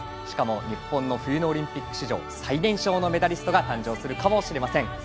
しかも日本の冬のオリンピック史上最年少のメダリストが誕生するかもしれません。